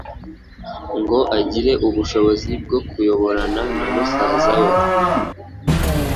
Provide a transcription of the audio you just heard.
ngo agire ubushobozi bwo kuyoborana na musaza we.